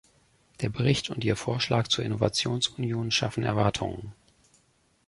Der Bericht und Ihr Vorschlag zur Innovationsunion schaffen Erwartungen.